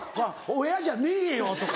「親じゃねえよ！」とか。